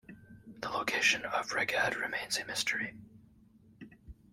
The location of Rheged remains a mystery.